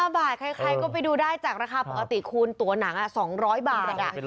๕บาทใครก็ไปดูได้จากราคาปกติคูณตัวหนัง๒๐๐บาท